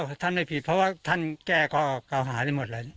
ผมบอกว่าท่านไม่ผิดเพราะว่าท่านแก้เก่าหาได้หมดเลย